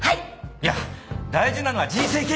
いや大事なのは人生経験だから！